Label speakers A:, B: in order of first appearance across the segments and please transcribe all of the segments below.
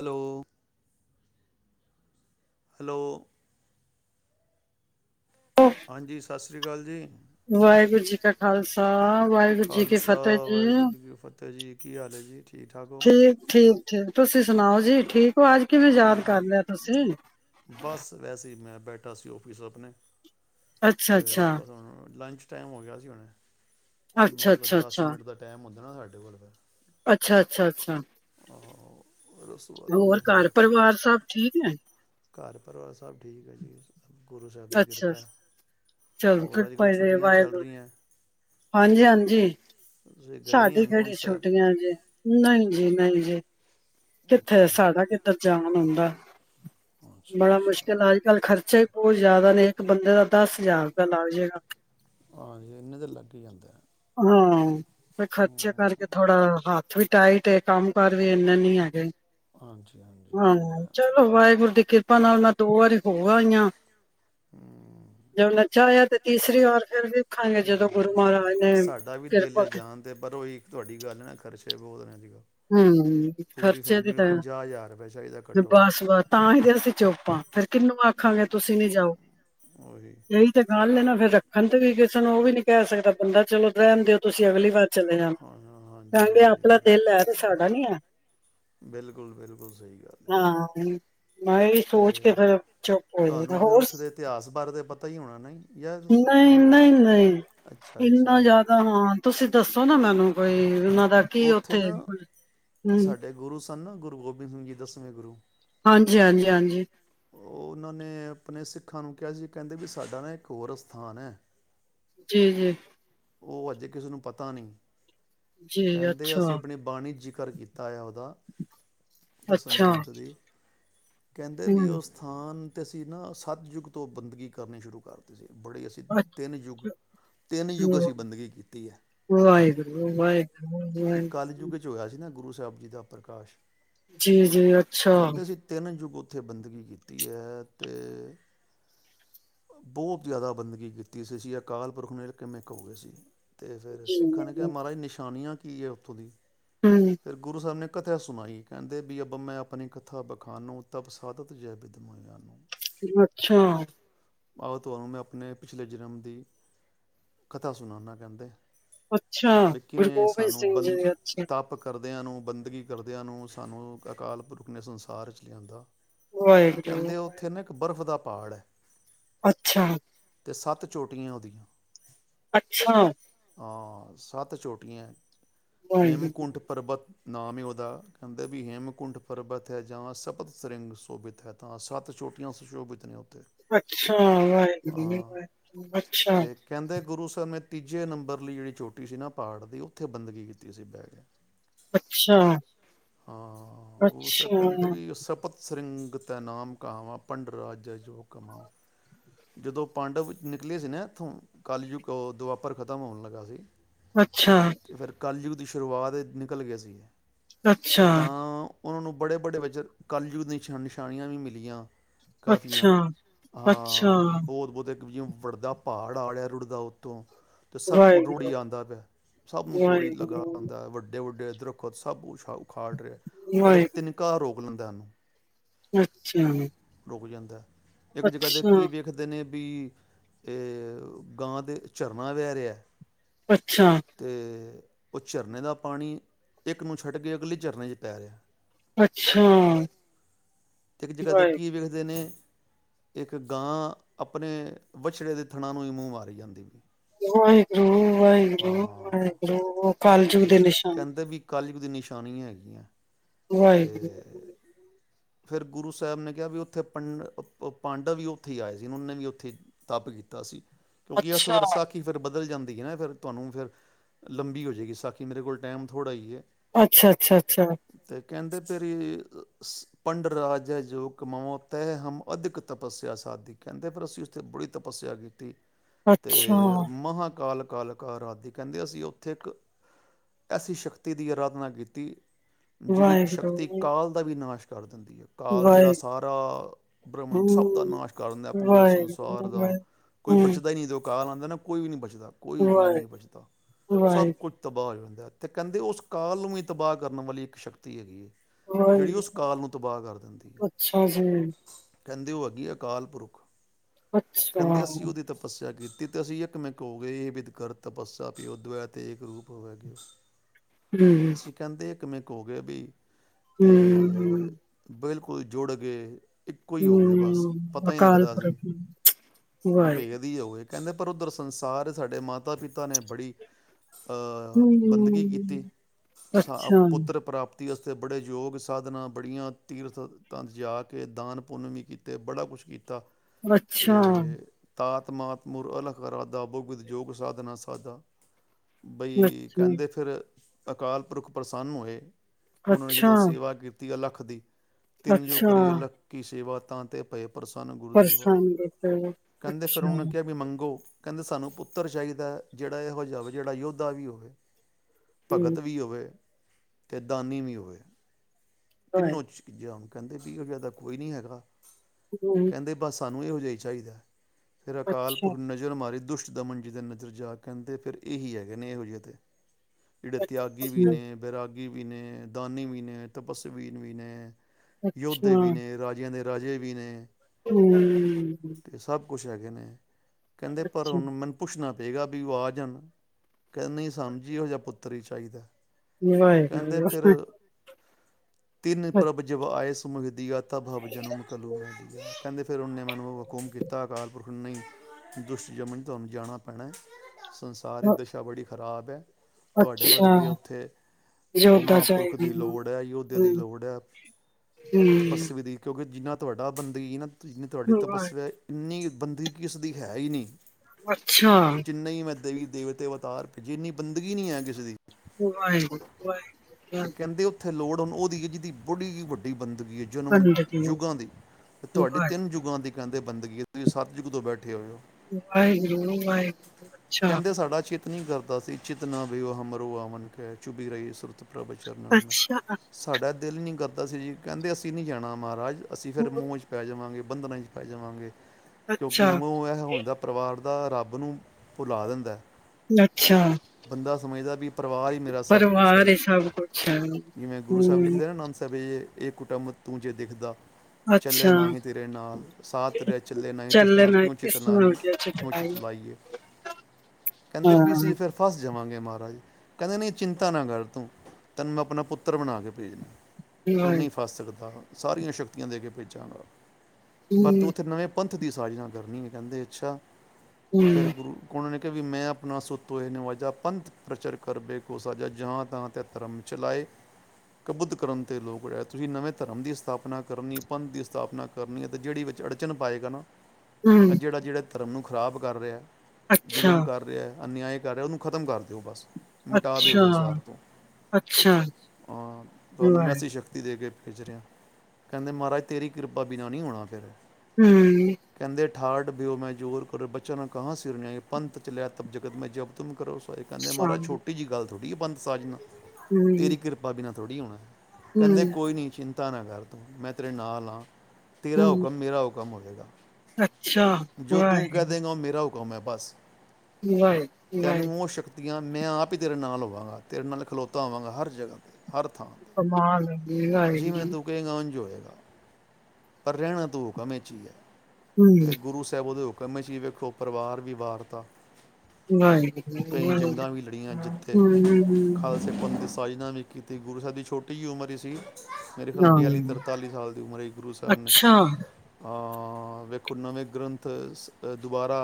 A: Hello hello ਹਾਂਜੀ ਸਤਿ ਸ਼੍ਰੀ ਅਕਾਲ ਜੀ
B: ਵਾਹਿਗੁਰੂ ਜੀ ਕਾ ਖਾਲਸਾ ਵਾਹਿਗੁਰੂ ਜੀ ਕੀ
A: ਖਾਲਸਾ
B: ਫਤਿਹ ਜੀ
A: ਵਾਹਿਗੁਰੂ ਜ ਕੀ ਫਤਿਹ ਜੀ ਕੀ ਹਾਲ ਹੈ ਜੀ ਠੀਕ ਠਾਕ ਹੋ
B: ਠੀਕ ਠੀਕ ਤੁਸੀਂ ਸੁਣਾਓ ਜੀ ਠੀਕ ਹੋ ਆਜ ਕਿਵੇਂ ਯਾਦ ਕਰ
A: ਅਮ,
B: ਲਿਆ ਤੁਸੀਂ
A: ਬਸ ਵੈਸੇ ਹੀ ਮੈਂ ਬੈਠਾ ਸੀਸੀ ਔਫਿਸ ਆਪਣੇ
B: ਅੱਛਾ
A: ਅਤੇ
B: ਅੱਛਾ
A: ਬਸ ਹੁਣ ਲੰਚ ਟਾਈਮ ਹੋ ਗਿਆ ਸੀ ਉਹੇ
B: ਅੱਛਾ
A: ਮਤਲਬ
B: ਅੱਛਾ
A: ਦਸ
B: ਅੱਛਾ
A: ਮਿੰਟ ਦਾ ਟਾਈਮ ਹੁੰਦਾ ਨਾ ਸਾਡੇ ਕੋਲ ਪਰ
B: ਅੱਛਾ ਅੱਛਾ ਅੱਛਾ
A: ਆਹੋ, ਔਰ ਉਸ ਤੋਂ ਬਾਅਦ
B: ਹੋਰ
A: ਮੈਂ
B: ਘਰ
A: ਚਲੋ
B: ਪਰਿਵਾਰ ਸਭ ਠੀਕ ਹੈ
A: ਘਰ ਪਰਿਵਾਰ ਸਭ ਠੀਕ ਹੈ ਜੀ ਗੁਰੂ ਸਾਹਿਬ ਦੀ
B: ਅੱਛਾ
A: ਕਿਰਪਾ
B: ਚਲੋ
A: ਹੋਰ ਅੱਜ
B: ਕਿਰਪਾ
A: ਕੱਲ੍ਹ
B: ਹੀ ਰਹੇ
A: ਛੁੱਟੀਆਂ ਚੱਲ
B: ਵਾਹਿਗੁਰੂ
A: ਰਹੀਆਂ
B: ਹਾਂਜੀ ਹਾਂਜੀ
A: ਤੁਸੀਂ ਗਏ ਨਹੀਂ
B: ਸਾਡੀ
A: ਹੇਮਕੁੰਟ
B: ਕਿਹੜੀ
A: ਸਾਹਿਬ
B: ਛੁੱਟੀਆਂ ਜੇ ਨਹੀਂ ਜੀ ਹਾਂਜੀ
A: ਅੱਛਾ
B: ਕਿੱਥੇ ਸਾਡਾ ਕਿੱਧਰ ਜਾਣ ੰਦਾ
A: ਅੱਛਾ
B: ਬੜਾ
A: ਅੱਛਾ
B: ਮੁਸ਼ਕਿਲ ਅੱਜ ਕੱਲ੍ਹ ਖਰਚੇ ਹੀ ਬਹੁਤ ਜ਼ਿਆਦਾ ਨੇ ਇੱਕ ਬੰਦੇ ਦਾ ਦਸ ਹਜ਼ਾਰ ਰੁਪਆ ਲੱਗ ਜਾਏਗਾ
A: ਹਾਂਜੀ ਇੰਨੇ ਤਾਂ ਲੱਗ ਹੀ ਜਾਂਦਾ ਹੈ।
B: ਹਾਂ ਫ ਖਰਚਾ ਕਰਕੇ ਥੋੜਾ ਹੱਥ ਵਿੱਚ ਟਾਈਟ ਕੰਮ ਕਾਰ ਵੀ ਇਨ ਨੀ ਹੈਗੇ
A: ਹਾਂਜੀ ਹਾਂਜੀ ਉਹ
B: ਹਾਂ
A: ਤੇ ਹੈ
B: ਚਲੋ ਵਾਹਿਗੁਰੂ ਦੀ ਕਿਰਪਾ ਨਾਲ ਮੈਂ ਦੋ ਵਾਰੀ ਹੋਗਾ ਹੀ ਹ ਆ ਜ ਨੱਚਆ ਤੇ ਤੀਸਰੀ ਵਾਰ ਫਿਰ ਵੀ ਉਖਾਂਗੇ ਜਦੋਂ ਗੁਰੂ ਮਹਾਰਾਜ ਨੇ
A: ਾ ਵੀ
B: ਕਿਰਪਾ
A: ਦਿਲ
B: ਕੀ
A: ਜਾਣ ਤੇ ਪਰ ਉਹੀ ਇੱਕ ਤੁਹਾਡੀ ਗੱਲ ਨਾ ਅੱੇ ਬਹੁਤ ਨੇ ਅੱ ਕੱਲ
B: ਹਮ ਹਮ ਖਰਚੇ ਦੀ ਤਾਂ
A: ਪੰਜਾਹ ਹਜ਼ਾਰ ਰੁਪਏ ਚਾਹੀਦਾ ਘੱਟੋ ਘੱਟ
B: ਬਸ ਬਸ ਤਾਂ ਹੀ ਤੇ ਅਸੀਂ ਚੋਪਾਂ ਫੇਰ ਕਿੰਨੂੰ ਆਖਾਂਗੇ ਤੁਸੀਂ ਨੀ ਜਾਓ
A: ਉਹੀ
B: ਇਹੀ ਤੇ ਗੱਲ ਨਾ ਫਿਰ ਰੱਖਣ ਤੇ ਵੀ ਕਿਸੇ ਨੂੰ ਉਹ ਵੀ ਨੀ ਕਹਿ ਸਕਦਾ ਬੰਦਾ ਚਲੋ ਰਹਿਣ ਦਿਓ ਤੁਸੀਂ ਅਗਲੀ ਵਾਰ ਚਲੇ
A: ਹਾਂ ਹਾਂ
B: ਜਾਣਾ
A: ਹਾਂਜੀ
B: ਕਗੇ
A: ਹਾਂਜੀ
B: ਆਪਲਾ
A: ਫਿਰ
B: ਦਿਲ ਹੈ ਤੇ ਸਾਡਾ ਨੀ ਹੈ।
A: ਬਿਲਕੁਲ ਬਿਲਕੁਲ ਸਹੀ ਗੱਲ ਹੈ ਜੀ
B: ਹਾਂ ਮੈਂ ਇਹੀ ਸੋਚ ਕੇ
A: ਤੇ
B: ਫੇਰ ਚੁੱਪ ਹੋ ਜਾਦਾ
A: ਤੁਹਾਨੂੰ ਫਿਰ
B: ਹੋਰ
A: ਉਓਥੇ ਦੇ ਇਤਿਹਾਸ ਬਾਰੇ ਤੇ ਪਤਾ ਹੀ ਹੋਣਾ ਨਾ
B: ਨਹੀਂ ਨਹੀਂ ਨਹੀਂ
A: ਅੱਛਾ ਅੱਛਾ
B: ਇੰਨਾ ਜ਼ਿਆਦਾ ਹਾਂ ਤੁਸੀਂ ਦੱਸ ਨੂੰ ਮੂੰ ਕੋਈ ਉਹਨਾਂ ਦਾ ਕੀ
A: ਉੱਥੇ ਨਾ
B: ਹੂੰ
A: ਸਾਡੇ ਗੁਰੂ ਸਨ ਗੁਰੂ ਗੋਬਿੰਦ ਸਿੰਘ ਜੀ ਦਸਵੇਂ ਗੁਰੂ
B: ਹਾਂਜੀ ਹਾਂਜੀ ਹਾਂਜੀ
A: ਉਹਨਾਂ ਨੇ ਆਪਣੇ ਸਿੱਖਾਂ ਨੂੰ ਕਿਹਾ ਸੀ ਕਹਿੰਦੇ ਵੀ ਸਾਡਾ ਨਾ ਇੱਕ ਹੋਰ ਅਸਥਾਨ ਹੈ
B: ਜੀ ਜੀ
A: ਉਹ ਅੱਜੇ ਕਿਸੇ ਨੂੰ ਪਤਾ ਨਹੀਂ
B: ਜੀ
A: ਕਹਿੰਦੇ ਅਸੀਂ
B: ਅੱਛਾ
A: ਆਪਣੀ ਬਾਣੀ ਜੀ ਜ਼ਿਕਰ ਕੀਤਾ ਹੈ ਉਹਦਾ ਦਸਮ
B: ਅੱਛਾ
A: ਗ੍ਰੰਥ ਦੀ ਕਹਿੰਦੇ ਵੀ
B: ਹੂੰ
A: ਉਹ ਸਥਾਨ ਤੇ ਅਸੀਂ ਨਾ ਸੱਤਯੁੱਗ ਤੋਂ ਬੰਦਗੀ ਕਰਨੇ ਸ਼ੁਰੂ ਕਰਤੇ ਸੀ ਬੜੇ ਅਸੀਂ ਤਿੰਨ ਯੁੱਗ ਤਿੰਨ ਯੁੱਗ ਅਸੀਂ ਬੰਦਗੀ ਕੀਤੀ ਹੈ
B: ਹੋ ਆਏ [unintelligible]
A: ਸ਼ਹਿਬ ਜੀ ਦਾ ਪ੍ਰਕਾਸ਼ [unintelligible]
B: ਜੀ ਜੀ ਅੱਛਾ
A: ਕਹਿੰਦੇ ਸੀ ਤਿੰਨ ਯੁੱਗ ਉੱਥੇ ਬੰਦਗੀ ਕੀਤੀ ਹੈ ਤੇ ਬਹੁਤ ਜ਼ਿਆਦਾ ਬੰਦਗੀ ਕੀਤੀ ਸੀ ਅਸੀ ਅਕਾਲ ਪੁਰਖ ਨੇ ਮਿਲ ਕੇ ਮੈਂ ਕ ਗਸੀ [unintelligible] ਅਤੇ ਫਿਰ
B: ਜੀ
A: ਸਿੱਖਾਂ ਨੇ ਕਿਹਾ ਮਾਹਰਾਜ ਨਿਸ਼ਾਨੀਆਂ ਕੀ ਹੈ ਉੱਥੋਂ ਦੀ
B: ਹੂੰ
A: ਫਿਰ ਗੁਰੂ ਸਾਹਿਬ ਨੇ ਕਥਾ ਸੁਣਾਈ ਕਹਿੰਦੇ ਵੀ ਅੱਬ ਮੈਂ ਆਪਣੀ ਕਥਾ ਵਿਖਾਨੂੰ ਤਬ ਸਾਧਤ ਜੈਬਿਦ ਮੋਇ ਜਾਣੋ
B: ਅੱਛਾ
A: ਆਓ ਤੁਹਾਨੂੰ ਮੈਂ ਆਪਣੇ ਪਿਛਲੇ ਜਨਮ ਦੀ ਕਥਾ ਸੁਣਾਉਂਦਾ ਕਹਿੰਦੇ
B: ਅੱਛਾ
A: ਵੀ
B: ਗੁਰੂ
A: ਕਿਵੇਂ
B: ਗੋਬਿੰਦ
A: ਸਾਨੂੰ
B: ਸਿੰਘ
A: ਬੰ
B: ਜੀ ਅੱਛੇ
A: ਤਪ ਕਰਦਿਆਂ ਨੂੰ ਬੰਦਗੀ ਕਰਦਿਆਂ ਨੂੰ ਸਾਨੂੰ ਅਕਾਲ ਪੁਰਖ ਨੇ ਸੰਸਾਰ ਚ ਲਿਆਂਂਦਾ
B: ਵਾਹਿਗੁਰੂ
A: ਕਹਿੰਦੇ
B: ਵਾਹਿਗੁਰੂ
A: ਉੱਥੇ ਨਾ ਇੱਕ ਬਰਫ਼ ਦਾ ਪਾੜ [unintelligible]
B: ਅੱਛਾ
A: ਅਤੇ ਸੱਤ ਚੋਟੀਆਂ ਉਹਦੀਆਂ
B: ਅੱਛਾ
A: ਸੱਤ ਚੋਟੀਆਂ
B: ਵਾਹਿਗੁਰੂ
A: ਹੇਮਕੁੰਠ ਪਰਬਤ ਨਾਮ ਹੀ ਉਹਦਾ ਕਹਿੰਦੇ ਵੀ ਹੇਮਕੁੰਟ ਪਰਬਤ ਹੈ ਜਹਾਂ ਸਪਤ ਸਰਿੰਗ ਸ਼ੋਭਿਤ ਹੈ ਤਾਂ ਸੱਤ ਚੋਟੀਆਂ ਸੁਸ਼ੋਭਿਤ ਨੇ ਉਹ
B: ਅੱਛਾ ਵਾਹਿਗੁਰੂ ਵਾਹਿਗੁਰੂ ਅੱਛਾ
A: ਤੇ ਕਹਿੰਦੇ ਗੁਰੂ ਸਾਹਿਬ ਨੇ ਤੀਜੇ ਨੰਬਰ ਲਈ ਜਿਹੜੀ ਚੋਟੀ ਸੀ ਨਾ ਪਹਾੜ ਦੀ ਉੱਥੇ ਬੰਦਗੀ ਕੀਤੀ ਸੀ ਬਹਿ
B: ਅੱਛਾ
A: ਹਾਂ ਗੁਰੂ ਸਾਹਿਬ
B: ਅੱਛਾ
A: ਕਹਿੰਦੇ ਵੀ ਸਪਤ ਸਿੰਘ ਤੈ ਨਾਾਮ ਕਹਾਵਾਂ ਭੰਡ ਰਾਜ ਜੋ ਕਮਾਂ ਜਦੋਂ ਪਾਂਡਵ ਨਿਕਲੇ ਸੀ ਨਾ ਇਥੋਂ ਕੱਲ੍ਹਯੁਗ ਦੁਆਪਰ ਖ਼ਤਮ ਹੋਣ ਲੱਗਾ ਸੀ
B: ਅੱਛਾ
A: ਕੱਲਯੁੱਗ ਦੀ ਸ਼ੁਰੂਆਤ ਨਿਕਲ ਗਏ ਸੀਗੇ
B: ਅੱਛਾ
A: ਅਤੇ ਤਾਂ ਉਹਨਾਂ ਨੂੰ ਬੜੇ ਬੜੇ ਵਿਚ ਕੱਲਯੁੱਗ ਨਿ ਨਿਸ਼ਾਨੀਆਂ ਵੀ ਮਿਲੀਆਂ ਕਾਫੀਆਂ
B: ਅੱਛਾ ਅੱਛਾ
A: ਹਾਂ ਬਹੁਤ ਬਹੁਤ ਜਿਵੇ ਵੱਡਾ ਪਹਾੜ ਆਿਆ ਰੁੜਗਾ ਉਤ ਤੋਂ ਤੇ ਸਭ ਕੁ ਰੋੜੀ
B: ਵਾਹਿਗੁਰੂ
A: ਆਉਂਦਾ ਪਿਆ ਸਭ ਨੂੰ ਤੋੜੀ ਲੱਗਾ
B: ਵਾਹਿਗੁਰੂ
A: ਆਉਂਦਾ ਵੱਡੇ ਵੱਡੇ ਦੁੱਖਤ ਸਭ ਕੁਛਾ ਰਿਹਾ ਪਰ ਇੱਕ
B: ਵਾਹਿਗੁਰੂ
A: ਤਿੰਨ ਘ ਰੋ ਬੁਲੰਦਾਨ ਨੂੰ
B: ਅੱਛਾ
A: ਰੁਕ ਜਾਂਦਾ ਇੱਕ ਜਗ੍ਹਾ ਤੇ
B: ਅੱਛਾ
A: ਕੀ ਵੇਖਦੇ ਨੇ ਵੀ ਅ
B: ਅੱਛਾ
A: [unintelligible] ਤੇ ਉਹ ਝਰਨੇ ਦਾ ਪਾਣੀ ਇੱਕ ਨੂੰ ਛੱਡ ਕੇ ਅਗਲੀ ਝਰਨੇ ਚ ਪੈ ਰਿਹਾ ਹੈ।
B: ਅੱਛਾ
A: ਤੇ ਇੱਕ ਜਗ੍ਹਾ ਤੇ
B: ਹਾਏ।
A: ਕੀ ਵੇਖਦੇ ਨੇ ਇੱਕ ਗਾਂ ਆਪਣੇ ਵੱਛੜੇ ਦੇ ਥਣਾ ਨੂੰ ਵੀ ਮੂੰਹ ਮਾ [inaudible] ਹਾਂ
B: ਵਾਹਿਗੁਰੂ-ਵਾਹਿਗੁਰੂ-ਵਾਹਿਗੁਰੂ ਵਾਹ। ਕਲਜੁਗ ਦੇ
A: ਤੇ
B: ਨਿਸ਼ਾਨ।
A: ਕਹਿੰਦੇ ਵੀ ਕਲਯੁਗ ਦੀ ਨਿਸ਼ਾਨੀ ਹੈਗੀਆਂ।
B: ਵਾਹਿਗੁਰੂ
A: ਤੇ ਫਿਰ ਗੁਰੂ ਸਾਹਿਬ ਨੇ ਕਿਹਾ ਵੀ ਉੱਥੇ ਪੰ ਪਾਂਡਵ ਵੀ ਉੱਥੇ ਹੀ ਆਏ ਸੀ ਉਹਨੇ ਵੀ ਉੱਥੇ ਤੱਪ ਕੀਤਾ ਸੀ। [unintelligible] [unintelligible]
B: ਅੱਛਾ
A: ਬਾ ਕਿ ਮੇਰੇ ਕੋਲ ਟਾਈਮ ਥੋੜ੍ਹਾ ਹੀ ਹੈ।
B: ਅੱਛਾ-ਅੱਛਾ-ਅੱਛਾ।
A: ਤੇ ਕਹਿੰਦੇ ਫਰੀ ਸ ਪੰਡ ਰਾਜ ਹੈ ਜੋ ਕਮਾਵੋ ਤੈ ਹਮ ਅਧਿਕ ਤਪੱਸਿਆ ਸਾਧਦੀ ਕਹਿੰਦੇ ਫਿਰ ਅਸੀਂ ਉਸੱਥਤੇ ਬੜੀ ਤਪੱਸਿਆ ਕੀਤੀ। ਤੇ
B: ਅੱਛਾ
A: ਮਹਾਂਕਾਲ। ਕਾਲਕਾ ਆਰਾਦਿ ਕਹਿੰਦੇ ਅਸੀਂ ਉੱਥੇ ਇੱਕ ਐਸੀ ਸ਼ਕਤੀ ਦੀ ਅਰਾਧਨਾ ਕੀਤੀ। ਜਿਹੜੀ ਸ਼ਕਤੀ
B: ਵਾਹਿਗੁਰੂ
A: ਕਾਲ ਦਾ ਵੀ ਨਾਸ਼ ਕਰ ਕਾਲ ਜਿਹੜਾ ਸਾਰਾ ਬ੍ਰਹਮੰਡ ਸਭ
B: ਵਾਹਿਗੁਰੂ
A: ਦਾ ਨਾਸ਼ ਕਰਦਾ ਪੂਰੇ ਸੰਸਾਰ
B: ਵਾਹਿਗੁਰੂ
A: ਦਾ
B: ਵਾਹਿਗੁਰੂ
A: ਕੋਈ
B: ਹੂੰ
A: ਬਚਦਾ ਹੀ ਨਹੀਂ ਦਿਓ ਕਾਲਾਂ। ਨਾ ਕੋਈ ਵੀ ਨਹੀਂ ਬਚ ਬਚਦਾ ਕੋਈ ਵੀ ਨਹੀਂ
B: ਵਾਹਿਗੁਰੂ
A: ਬਚਦਾ ਸਭ
B: ਵਾਹਿਗੁਰੂ
A: ਕੁਛ ਤਬਾਹ ਹੋ ਜਾਂਦਾ ਅਤੇ ਕਹਿੰਦੇ ਉਸ ਕਾਲ ਨੂੰ ਵੀ ਤਬਾਹ ਕਰਨ ਵਾਲੀ ਇੱਕ ਸ਼ਕਤੀ ਹੈਗੀ ਹੈ।
B: ਵਾਹਿ
A: ਜਿਹੜੀ ਉਸ ਕਾਲ ਨੂੰ ਤਬਾਹ ਕਰ ਦਿੰਦੀ ਹੈ
B: ਅੱਛਾ ਜ।
A: ਕਹਿੰਦੇ ਓ ਹੇਗੀ ਅਕਾਲ ਪੁਰਖ।
B: ਅੱਛਾ
A: ਕਹਿੰਦੇ ਅਸੀਂ
B: ਹੂੰ
A: ਉਹ ਦੀ ਤਪੱਸਿਆ ਕੀਤੀ। [unintelligible] [inaudible] ਅਸੀਂ ਕਹਿੰਦੇ ਇੱਕ-ਮਿੱਕ। [unintelligible] ਤੇ
B: ਹੂੰ
A: ਬਿਲਕੁਲ। [unintelligible] ਇੱਕੋ ਹੀ ਹੋ ਗਏ
B: ਹੂੰ
A: ਬਸ ਪਤਾ ਹੀ ਨਹੀਂ
B: ਅਕਾਲ
A: ਲਗਦਾ
B: ਪੁਰਖ ਵਾਹਿਗੁਰੂ
A: ਅਭੇਦ ਹੀ ਹੋ ਗਏ। ਕਹਿੰਦੇ ਪਰ ਉੱਧਰ ਸੰਸਾਰ ਸਾਡੇ ਮਾਤਾ ਪਿਤਾ ਨੇ ਬੜੀ ਬੰਦਗੀ
B: ਹੂੰ
A: ਕੀਤੀ ਸ
B: ਅੱਛਾ
A: ਪੁੱਤਰ ਪ੍ਰਾਪਤ 'ਤੇ ਬੜੇ ਯੋਗ ਸਾਧਨਾਂ ਬੜੀਆਂ ਤੀਰਥ ਤ ਜਾ ਕੇ ਦਾਨ ਪੁੰਨ ਵੀ ਕੀਤੇ ਬੜਾ ਕੁਛ ਕੀਤਾ
B: ਅੱਛਾ
A: ਤਾਤਮਾਤ ਮੁਰ ਅਲ ਕਰਾਦਾ ਬੁਗਦ ਯੋਗ ਸਾਧਨਾ ਸਾਧਾ ਬਈ
B: ਅੱਛਾ
A: ਕਹਿੰਦੇ ਫਿਰ ਅਕਾਲ ਪੁਰਖ ਪ੍ਰਸੰਨ ਹੋਏ ਉਹਨਾਂ ਨੇ
B: ਅੱਛਾ
A: ਜਦੋਂ ਸੇਵਾ ਕੀਤੀ ਆ ਲੱਖ ਵੱਖ ਦੀ ਤਿੰਨ ਜੋ
B: ਅੱਛਾ
A: ਕਰੀ ਲੱਖ ਕੀ ਸਵਾਤੇ ਤ ਤੇ ਪਏ ਪ੍ਰਸੰਨ ਗੁਰਦੇਵ ਆ
B: ਪਰੇਸ਼ਾਨ ਕਰਦੇ
A: ਕਹਿੰਦੇ ਫਿਰ
B: ਅੱਛਾ
A: ਉਹਨਾਂ ਨੇ ਕਿਹਾ ਵੀ ਮੰਗੋ ਕਹਿੰਦੇ ਸਾਨੂੰ ਪੁੱਤਰ ਚਾਹੀਦਾ ਜਿਹੜਾ ਇਹੋ ਜਿਹਾਵੇ ਿਹੜਾ ਯੋੱਧਾ ਵੀ ਹੋਵੇ
B: ਹੂੰ
A: ਭਗਤ ਵੀ ਹੋਵੇ ਤੇ ਦਾਨੀ ਵੀ ਹੋ ਹੈ ਤਿੰਨੋ ਚੀਜ਼ਾਂ ਕਹਿੰਦੇ ਵੀ ਉਹ ਜਿਆਦਾ ਕੋਈ ਨੀ ਹੈਗਾ
B: ਹਮ
A: ਕਹਿੰਦੇ ਬਸ ਸਾਨੂੰ ਇਹੋ ਜਿਹੀ ਚਾਹੀਦਾ ਫਿਰ ਅਕਾਲ
B: ਅੱਛਾ
A: ਪੁਰ ਨਜ਼ਰ ਮਾਰੀ ਦੁਸ਼ਟ ਦਮਨ ਜੀ ਦੇ ਨਜ਼ਰ ਜਾ ਕਹਿੰਦੇ ਫਿਰ ਇਹੀ ਹੈਗੇ ਨੇ ਇਹੋ ਜਿਹੇ ਅਤੇ ਜਿਹੜੇ ਤਿਆਗੀ ਵੀ
B: ਅੱਛਾ
A: ਨੇ ਬੈਰਾਗੀ ਗੀ ਵੀ ਨੇ ਦਾਨੇ ਵੀ ਨੇ ਤਪੱਸ ਬੀ ਵੀ ਨੇ ਯੋਧੇ
B: ਅੱਛਾ
A: ਵੀ ਨੇ ਰਾਜਿਆਂ ਦੇ। ਰਾਜੇ ਵੀ ਨੇ
B: ਹੂ
A: ਤੇ ਸਭ ਕੁਛ ਹੈਗੇ ਨੇ। ਕਹਿੰਦੇ, ਪਰ ਉਹਨੂੰ ਮੈਨੂੰ ਪੁੱਛਣਾ ਬਗਾ ਵੀੀ ਆ ਜਾਣ [unintelligible] ਕਹਿੰਦੇ ਨਹੀਂ ਸਾਨੂ ਇਹੋ ਜਿਹਾ ਪੁੱਤਰ ਹੀ ਚਾਹੀਦਾ। ਕਹਿੰਦੇ ਫਿਰ, ਤਿੰਨ
B: ਵਾਹਿਗੁਰੂ
A: ਪ੍ਰਭ ਜਬ ਆਇਸ। ਮਦੀ [unintelligible] ਤਬ ਅਵਜਨ ਕਲੂ ਮਹਿ ਕਹਿੰਦੇ ਫਿਰ ਉਹਨੇ ਮੈਨੂੰ ਹੁਕਮ ਕੀਤਾ ਅਕਾਲ ਪੁਰਖ ਨਹੀਂ ਦੁਸ਼ਟ ਜਮਨ ਤੁਹਾਨੂੰ ਜਾਣਾ ਪੈਣਾ। ਸਾਰੀ ਦਿਸ਼ਾ ਬੜੀ ਖਰਾਬ ਹੈ। ਤੁਹਾਡੇ
B: ਅੱਛਾ,
A: ਵਰਗੇ ਉੱਥੇ
B: ਯੋਧਾ
A: ਮਹਾਂ ਪੁਰਖ
B: ਚਾਹੀਦੀ
A: ਦੀ
B: ਹੂੰ,
A: ਲੋੜ ਹੈ। ਯੋਧਿਆ ਦੀ ਲੋੜ ਹੈ,
B: ਹੂੰ।
A: ਤਪਸਵੀ ਦੀ ਕਿਉਂਕਿ ਜਿਨ੍ਹਾਂ ਤੁਹਾਡਾ ਬੰਦਗੀ ਨਾ ਜਿੰਨੀ ਤੁਹਾਡੀ
B: ਵਾਹਿਗੁਰੂ
A: ਤਪੱਸਿਆ ਇੰਨੀ ਬੰਦਗੀ ਕਿਸ ਦੀ ਹੈ ਹੀ ਨਹੀਂ।
B: ਅੱਛਾ
A: ਵੀ [unintelligible] ਦੇਵਤੇ ਅਵਤਾਰ ਭੇਜੀੇ ਜਿੰਨੀ ਬੰਦਗੀ ਨਹੀ ਹੈ ਕਿਸੇ ਦੀ।
B: ਵਾਹਿਗੁਰੂ
A: ਤੇ
B: ਵਾਹਿਗੂਰੁ
A: ਕਹਿੰਦੇ ਉੱਥੇ ਲੋੜ ਹੁਣ ਉਹਦੀ ਹੈ ਜਿਹਦੀ ਬੜੀ ਵੱਡੀ ਬੰਦਗੀ ਹੈ ਜਨਮ
B: ਬੰਦਗੀ
A: ਯੁਗਾਂ
B: ਵਾਹਿਗੁਰੂ
A: ਦੀ ਤੁਹਾਡੇ ਤਿੰਨ ਯੁਗਾਂ ਦੀ ਕਹਿੰਦੇ ਜਿਥੇ ਬੰਦਗੀ ਹੈ ਤੁਸੀਂ ਸਤ ਯੁੱਗ ਤੋਂ ਬੈਠੇ ਹੋਏ ਹੋ।
B: ਵਾਹਿਗੁਰੂ ਵਾਹਿਗੁਰੂ ਅੱਛਾ,
A: ਕਹਿੰਦੇ ਸਾਡਾ ਚਿਤ ਕਰਦਾ ਸੀ ਜਿਤਨਾ ਵੀ ਉਹ ਹਮਰੋ ਅਵਨ ਕਹਿ ਚੁਭੀ ਰਹੀ ਸੁਰਤ ਪ੍ਰਭ ਚਰਨਨ
B: ਅੱਛਾ,
A: ਸਾਡਾ ਦਿਲ ਨਹੀ ਕਰਦਾ ਦਾਸੀ ਜੀ ਕਹਿੰਦੇ ਅਸੀਂ ਨੀ ਜਾਣਾ ਮਹਾਰਾਜ ਅਸੀਂ ਫਿਰ ਮੂੰਹ ਚ ਪੈ ਜਾਵਾਂਗੇ ਬੰਧਨਾ ਵਿੱਚ ਪੈ ਜਾਵਾਂਗੇ। ਕਿਉਂਕਿ
B: ਅੱਛਾ,
A: ਮੋਹ ਐ ਹੋਂਦਾ ਪਰਿਵਾਰ। ਦਾ ਰੱਬ ਨੂੰ ਭੁਲਾ ਦਿੰਦਾ। ਤਾਂ [unintelligible]
B: ਅੱਛਾ
A: ਸਮਝਦਾ ਵੀ ਪਰਿਵਹ ਹੀ ਮੇਰਾ ਸਭ ਕੁਛ ਹੈ
B: ਪਰਿਵਾਰ ਹੀ ਸਭ ਕੁਛ ਹੈ।
A: ਜਿਵੇਂ ਗੁਰੂ ਸਾਹਿਬ
B: ਹੂੰ,
A: ਲਿਖਦੇ ਨਾ ਨੰਦ ਸਾਹਿਬ ਇਹ ਕੁਟੁੰਬ ਤੂੰ ਜੇ ਦਿਖਦਾ ਚੱਲੇ
B: ਅੱਛਾ
A: ਨਾਹੀਂ ਤੇਰੇ ਨਾਲ ਸਾਹ ਤੇਰੇਿਆ ਚੱਲੇ ਨਾਹੀਂ ਤਿਸ ਨਾਲ
B: ਚੱਲਣਾ
A: ਕਿਉਂ ਚਿੱਤ
B: ਕਿਸ ਨਾਲ
A: ਲਉਣੀ
B: ਗਿਆ
A: ਕਿਉਂ
B: ਚਟਾਈ
A: ਚਿੱਤ ਲਾਈਏ ਕਹਿੰਦੇ ਵੀਸੀ
B: ਹਾਂ
A: ਫਿਰ ਫਸਟ ਜਾਵ ਮਹਾਰਾਜ ਕਹਿੰਦੇ ਨ ਚਿੰਤਾ ਨਾ ਕਰ ਤੂੰ ਤੈਨੂੰ ਮੈਂ ਆਪਣਾ ਪੁੱਤਰ ਬਣਾ ਕੇ ਭੇਜਣਾ ਤੂੰ ਨਹੀਂ ਫਸ ਸਕਦਾ ਸਾਰੀਆਂ ਸ਼ਕਤੀਆਂ ਦੇ ਕੇ ਭੇਜਾਂਗਾ ਪਰ ਤੂੰ
B: ਵਾਹਿਗੁਰੂ
A: ਉੱਥੇਵੇਂ ਹੱਥ ਦੀ ਸਾਜੀਆਂ ਕਰਨੀੀਆਂ ਕਹਿੰਦੇ ਅੱਛਾ ਫਿਰ
B: ਹੂੰ,
A: ਗੁਰੂ ਕੋਣ ਨੇ। ਕਿ ਵੀ ਮੈਂ ਆਪਣਾ ਸੁੱਤੋ ਇਹ ਨਵਾਜਹਾ ਪੰਥ ਪ੍ਰਚਰ ਕਰਵੇ ਕੁਸ ਆ ਜਾ ਜਾਂਹ ਤਾਂਹ ਤੇ ਧਰਮ ਚਲਾਏ ਕ ਬੁੱਧਕਮ 'ਤੇ ਲੋਕ ਰਹੇ ਤੁਸੀਂ ਨਵੇਂ ਧਰਮ ਦੀ ਸਥਾਪਨਾ ਕਰਨੀ ਪੰਥ ਦੀ ਸਥਾਪਨਾ ਕਰਨੀ ਹੈ ਅਤੇ ਜਿਹੜੀ ਵਿੱਚ ਅੜਚਨ ਪਾਏਗਾ ਨਾ। ਆ
B: ਹੂੰ
A: ਜਿਹੜਾ ਜਿਹੜਾ ਧਰਮ ਮਨੁੱਖ। ਖ਼ਰਾਬ ਕਰ ਰਿਹਾ ਹੈ।
B: ਅੱਛਾ,
A: ਜ਼ੁਲਮ ਕਰ ਰਿਹਾ ਹੈ। ਅਨਿਆਏ ਕਰ ਰਿਹਾ ਉਹਨੂੰ ਖਤਮ ਕਰ ਦਿਓ ਬਸ। ਮਿਟਾ ਦਿਓ
B: ਅੱਛਾ,
A: ਸੰਸਾਰ ਤੋਂ
B: ਅੱਛਾ
A: ਹਾਂ ਤੁਹਾਨੂੰ ਮੈਸੀ
B: ਵਾਹਿਗੁਰੂ
A: ਸ਼ਕਤੀ ਦੇ ਕੇ। ਖਿਚਰਿਆ ਕਹਿੰਦੇ ਮਹਾਰਾਜ ਤੇਰੀ ਕਿਰਪਾ ਬਿਨਾਂ ਨਹੀਂ ਹੋਣਾ ਫਿਰ।
B: ਹੂੰ।
A: ਥਾਰਡ ਬਅਮ ਮੈਂ ਜੋੋਰ ਕਰ ਬਚਣ ਕਹਾ ਸੀਿਰਨ। ਪੰਥ ਚਲਿਆ ਤਬ ਜਗਤ ਮੈਂ ਜਬ ਤੁਮ ਕਰੋ ਸੋ। ਇਹ ਕਹਿੰਦੇ ਮਹਾਰਾਜ
B: ਹੂੰ,
A: ਛੋਟੀ ਜਿਹੀ ਗੱਲ। ਥੋੜ੍ਹੀ ਬੰਦ ਸਾਜਣਾ। ਤੇਰੀ ਕਿਰਪਾ ਬਿਨਾਂ। ਥੋੜੀ ਹੋਣਾ। ਕਹਿੰਦੇ
B: ਹੂੰ,
A: ਕੋਈ ਨਹੀਂ ਚਿੰਤਾ। ਚਿੰਤਾ ਨਾ ਕਰ ਤੋਂ ਮੈਂ ਤੇਰੇ ਨਾਲ ਹਾਂ। ਤੇਰਾ
B: ਹੂੰ
A: ਹੁਕਮ ਮੇਰਾ ਹੁਕਮ। ਕੰਮ ਹੋ ਜਾਵੇਗਾ।
B: ਅੱਛਾ ਵਾਹਿਗੁਰੂ।
A: ਦੇਗਾ ਉਹ ਮੈਂ ਬਸ।
B: ਵਾਹਿਗੁਰੂ
A: ਤੈਨੂੰ
B: ਵਾਹਿਗੁਰੂ।
A: ਉਹ ਸ਼ਕਤੀਆਂ ਮੈਂ ਆਪ ਹੀ ਤੇਰੇ ਨਾਲ ਹੋਵਾਂਗਾ ਤੇਰੇ ਨਾਲ ਖਲੋਤਾ ਹੋਵਾਂਗਾ ਹਰ ਜਗ੍ਹਾ 'ਤੇ। ਹਰ ਥਾਂ ਤੇ
B: ਕਮਾਲ ਦੀ
A: ਜਿਵੇਂ
B: ਆਏਂਗੀ।
A: ਤੂੰ ਕਹੇਂਗਾ ਉਂਝ ਹੋਏਗਾ ਪਰ ਰਹਿਣਾ ਤੂੰ ਉਹ ਕਮਰੇ ਚ। ਫਿਰ
B: ਹੂੰ
A: ਗੁਰੂ ਸਾਹਿਬ ਉਹਦੇ। ਕੰਮ 'ਚ ਵੀ ਵੇਖੋ ਪਰਿਵਾਰ ਵੀ ਵਾਰ। ਕੁੱਤਾ।
B: ਵਾਹਿਗੁਰੂ
A: ਲੜੀਆਂ ਜਿੱਤੇ
B: ਹੂੰ ਹੂੰ ਹੂੰ।
A: ਖਾਲਸੇ ਪੰਥ ਦੀ ਸਾਜਨਾ ਵੀ ਕੀਤੀ ਗੁਰੂ ਸਾਹਿਬ ਦੀ ਛੋਟੀ ਜਿਹੀ ਉਮਰ ਹੀ ਸੀ। ਮੇਰੇ ਖਿਆਲ ਵਾਲੀ
B: ਹਾਂ
A: ਤਰਤਾਲੀ ਸਾਲ ਦੀ ਉਮਰ ਗੁਰੂ ਸਾਹਿਬ ਨੇ।
B: ਅੱਛਾ
A: ਹਾਂ ਵੇਖੋ ਨਵੇਂ ਗ੍ਰੰਥ ਦੁਬਾਰਾ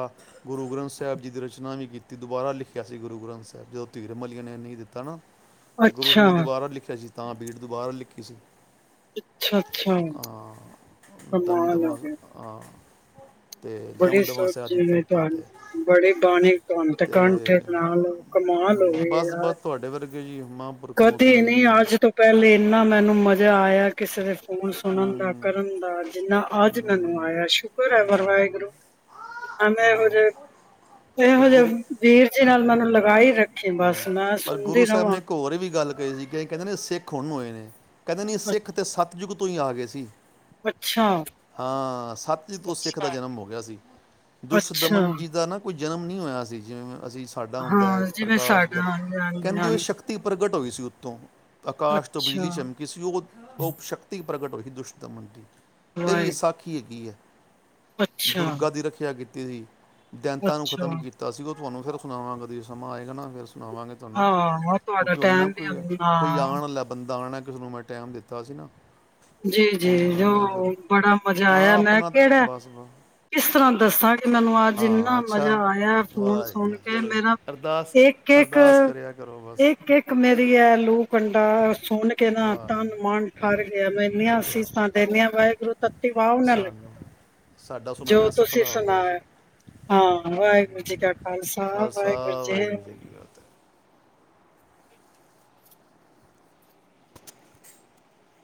A: ਗੁਰੂ ਗ੍ਰੰਥ। ਸਾਹਿਬ ਜੀ ਦੀ ਰਚਨਾ ਵੀ ਕੀਤੀ ਦੁਬਾਰਾ ਲਿਖਿਆ ਸੀ ਗੁਰੂ ਗ੍ਰੰਥ ਸਾਹਿਬ ਜਦੋਂ ਧੀਰ ਮਲਆ ਨੇ ਨਹੀਂ ਦਿੱਤਾ ਨਾ। ਤੇ ਗੁਰੂ ਉਸ
B: ਅੱਛਾ
A: ਨੂੰ ਦੁਬਾਰਾ ਲਿਖਿਆ ਸੀ। ਤਾਂ ਬੀਟ ਤੋਂ ਬਾਹਰ ਲਿਖੀ ਸੀ
B: ਅੱਛਾ ਅੱਛਾਮ
A: ਅ
B: ਆ ਗਿਆ
A: ਹੋ ਤੇ ਦਮਾਂ
B: ਬੜੀ
A: ਦਮਾਂ ਸਿਆ ਦੀ ਧਰਤੀ ਤੇ
B: ਬਾਣੀ ਭ ਤੇ ਕੰਠੇ ਬਣਾ ਲ ਕਮ ਲ ਗਏ
A: ਬਸ
B: ਆ
A: ਬਸ ਤੁਹਾਡੇ ਵਰਗੇ ਜੀ ਮਹਾਂਪੁਰਖਾਂ ਨੂੰ
B: ਕਦੇ ਨੀ
A: ਸੁਣਦੀ ਹੈ
B: ਅੱਜ ਤੋਂ ਪਹਿਲੇ ਇੰਨਾ ਮੈਨੂੰ ਮਜ਼ਾ ਆਇਆ ਕਿਸੇ ਨੇ ਫੋਨ ਸੁਣਨ ਦਾ ਕਰਨ ਦਾ ਜਿੰਨਾ ਅੱਜ ਮੈਨੂੰ ਆਇਆ ਸ਼ੁਕਰ ਹੈ ਵਾਹਿ ਮੈਂ ਇਹੋ ਜਿਹੇ
A: ਤੇ
B: ਇਹੋ ਜਿਹੇ
A: ਗੁਰੂ
B: ਵੀਰ ਜੀ ਨਾਲ ਮੈਨੂੰ ਲਗਾਈ ਰੱਖੀ
A: ਹਮ,
B: ਬਸ ਮੈਂ ਸੁਣਦੀ ਰਵਾਂ
A: ਗਏ ਸੀ ਕਹਿੰਦੇ ਨੇ ਸਿੱਖ ਹੁਣ ਨੂੰ ਹੋਏ ਨੇ ਕਦੇ ਨਹੀਂ
B: ਅੱ-
A: ਸਿੱਖ ਅਤੇ ਸਤ ਜਗ ਤੋਂ ਹੀ ਆ ਗਏ ਸੀ
B: ਅੱਛਾ
A: ਹਾਂ ਸਤ ਜੀ ਤੋਂ ਸਿੱਖ
B: ਅੱਛਾ
A: ਦਾ ਜਨਮ ਹੋ ਗਿਆ ਸੀ ਦੁਸ਼ ਦਮਨ ਜੀ ਦਾ ਨਾ ਕੋਝ ਜਨਮ ਨਹੀਂ ਹੋਇਆ ਸੀ ਜਿਵੇਂ ਅਸੀਂ ਸਾਡਾ ਹੁੰਦਾ
B: ਹਾਂ
A: ਹੈ
B: ਜਿਵੇਂ
A: ਪ੍ਰਕਾਸ਼
B: ਸਾਡਾ
A: ਗਰ
B: ਹਾਂਜੀ ਹਾਂਜੀ
A: ਕਹਿੰਦੇ ਹੋਏ
B: ਹਾਂਜੀ
A: ਸ਼ਕਤੀ ਪ੍ਰਗਟ ਹੋਈ ਸੀ ਤ ਉ ਤੋਂੋਂ ਆਕਾਸ਼ ਤੋਂ
B: ਅੱਛਾ
A: ਬਿਜਲੀ ਚਮਕੀ ਸੀ ਉਹ ਸ਼ਕਤੀ ਪ੍ਰਗਟ ਹੋਈ ਹੀ ਦੁਸ਼ਿਤਮਦੀ ਇਹ ਵੀ
B: ਵਾਹਿਗੁਰੂ
A: ਵਿਸਾਖੀ ਹੈਗੀ ਹੈ
B: ਅੱਛਾ
A: ਦੁਰਗਾ ਦੀ ਰੱਖਿਆ ਕੀਤੀ ਅਤੇ ਦੈੰਤਾਂ ਨੂੰ
B: ਅੱਛਾ
A: ਖ਼ਤਮ ਕੀਤਾ ਸੀ ਉਹ ਤੁਹਾਨੂੰ ਫਿਰ ਸੁਣਾਵਾਂ ਕਦੀ ਸਮਾਂ ਆਏਗਾ ਨਾ ਫਿਰ ਸੁਣਾਵਾਂਗੇ ਤੁਹਾਨੂੰ,
B: ਹਾਂ ਤੁਹਾਡਾ
A: ਕਿਉਂਕਿ ਹੁਨਾਂ
B: ਟਾਈਮ
A: ਕੋਈ,
B: ਵੀ ਨਾ
A: ਕੋਈ ਆਉਣ ਆਲਾ ਬੰਦਾ ਆਣ ਕਿਸੇ ਨੂੰ ਮੈਂ ਟਾਈਮ ਦਿੱਤਾ ਸੀਗਾ
B: ਜੀ- ਜੀ, ਜੋ ਬੜਾ ਮਜ਼ਾ
A: ਹਾਂ
B: ਆਇਆ, ਮੈਂ
A: ਆਪਣਾ
B: ਕਿਹੜਾ
A: ਬਸ ਬਸ
B: ਕਿਸ ਤਰ੍ਹਾਂ ਦੱਸਾਂ ਮੈਨੂੰ ਅੱਜ
A: ਹਾਂ
B: ਇੰਨਾ
A: ਅੱਛਾ
B: ਮਜ਼ਾ ਆਇਆ ਫੋਨ
A: ਵਾਹ ਜੀ
B: ਸੁਣ
A: ਵਾਹ,
B: ਕੇ,
A: ਚਲੋ ਜੀ
B: ਮੇਰਾ
A: ਅਰਦਾਸ
B: ਇੱਕ- ਇੱਕ
A: ਅਰਦਾਸ ਕਰਿਆ ਕਰੋ ਬਸ
B: ਇੱਕ- ਇੱਕ ਮੇਰੀ ਏ, ਲੂ ਕੰਡਾ ਸੁਣ ਕੇ ਨਾ
A: ਵਾਹ ਜੀ ਵਾਹ,
B: ਤਨ- ਮਨ
A: ਚਲੋ
B: ਠਾਰ
A: ਜੀ
B: ਇੰਨੀਆਂ
A: ਚਲੋ
B: ਅਸੀਸਾਂ ਦੇਨੀਆਂ। ਵਾਹਿਗੁਰੂ ਤੱਤੀ ਵਾ ਵੀ ਨਾ ਲੱਗੇ,
A: ਸਾਨੂੰ ਸਾਡਾ
B: ਜੋ
A: ਸੁਨਾਇਆ ਸਫਲ
B: ਤੁਸੀਂ
A: ਹੋ
B: ਸੁਣਾ
A: ਗਿਆ ਜੀ
B: ਹਾਂ, ਵਾਹਿਗੁਰੂ ਜੀ ਕਾ ਖਾਲਸਾ,
A: ਖਾਲਸਾ
B: ਵਾਹਿਗੁਰੂ ਜੀ।
A: ਕੀ ਫਤਿਹ